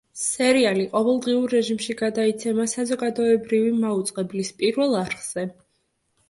სერიალი ყოველდღიური რეჟიმში გადაიცემა საზოგადოებრივი მაუწყებლის პირველ არხზე.